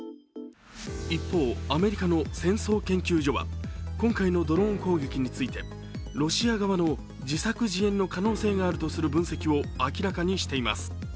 一方、アメリカの戦争研究所は今回のドローン攻撃についてロシア側の自作自演の可能性があるとする分析を明らかにしています。